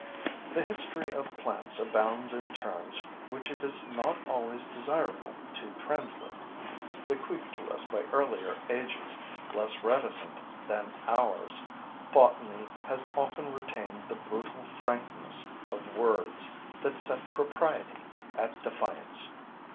The history of plants abounds in terms which it is not always desirable to translate. Bequeathed to us by earlier ages less reticent than ours, botany has often retained the brutal frankness of words that set propriety at defiance.